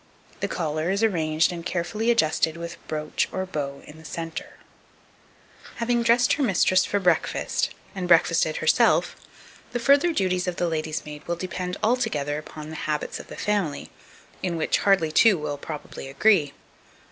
The collar is arranged and carefully adjusted with brooch or bow in the centre. 2260. Having dressed her mistress for breakfast, and breakfasted herself, the further duties of the lady's maid will depend altogether upon the habits of the family, in which hardly two will probably agree.